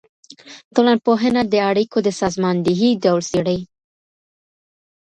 ټولنپوهنه د اړيکو د سازماندهۍ ډول څېړي.